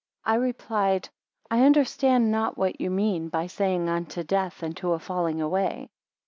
12 I replied; I understand not what you mean, by saying unto death, and to a falling away.